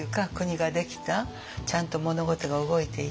ちゃんと物事が動いていった。